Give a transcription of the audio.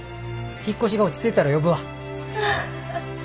引っ越しが落ち着いたら呼ぶわ。